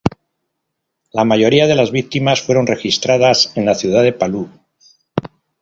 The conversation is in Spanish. La mayoría de las víctimas fueron registradas en la ciudad de Palu.